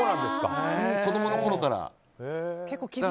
子供のころから。